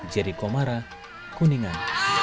jericho mara kuningan